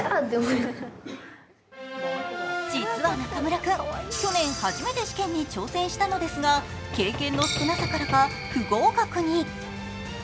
実は中村君、去年初めて試験に挑戦したのですが経験の少なさからか不合格に。